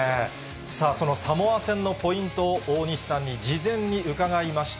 さあ、そのサモア戦のポイントを大西さんに事前に伺いました。